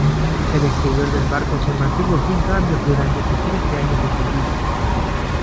El exterior del barco se mantuvo sin cambios durante sus trece años de servicio.